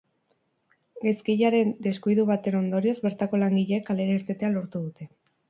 Gaizkilearen deskuidu baten ondorioz, bertako langileek kalera irtetea lortu dute.